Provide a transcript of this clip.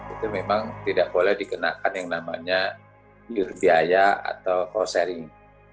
itu memang tidak boleh dikenakan yang namanya pure biaya atau call sharing